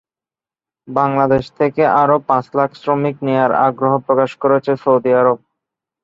বাংলাদেশ থেকে আরও পাঁচ লাখ শ্রমিক নেওয়ার আগ্রহ প্রকাশ করেছে সৌদি আরব।